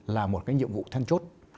là một cái nhiệm vụ than chốt